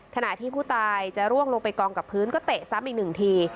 ขณะที่ผู้ตายจะร่วงลงไปกองกับพื้นก็เตะซ้ำอีกหนึ่งที